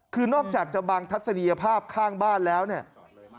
คือนอกจากจะบังทัศนียภาพข้างบ้านแล้วเนี่ย